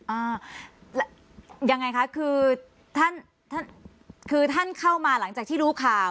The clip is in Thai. อ่ายังไงคะคือท่านท่านคือท่านเข้ามาหลังจากที่รู้ข่าว